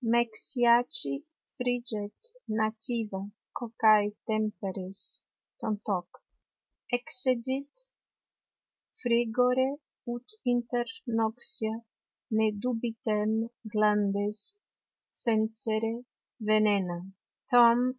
"Mexiaci friget nativa Cocai Temperies, tantoq; excedit Frigore ut inter noxia ne dubitem glandes censere Venena."